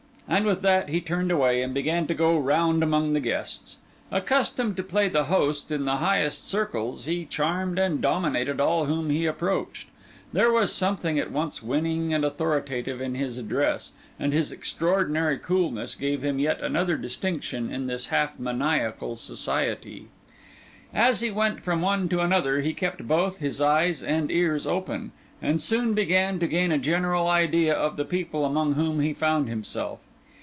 And with that he turned away and began to go round among the guests. Accustomed to play the host in the highest circles, he charmed and dominated all whom he approached; there was something at once winning and authoritative in his address; and his extraordinary coolness gave him yet another distinction in this half maniacal society. As he went from one to another he kept both his eyes and ears open, and soon began to gain a general idea of the people among whom he found himself.